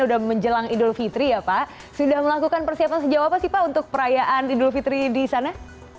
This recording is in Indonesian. sudah menjelang idul fitri ya pak sudah melakukan persiapan sejauh apa sih pak untuk perayaan idul fitri di sana